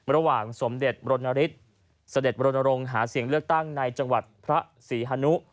ระหว่างสมเด็จบรณฤษฐ์สเด็จบรณรงค์หาเสี่ยงเลือกตั้งในจังหวัดพระศรีฮนุ